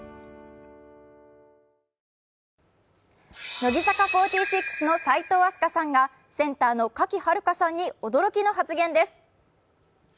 乃木坂４６の齋藤飛鳥さんがセンターの賀喜遥香さんに驚きの発言です。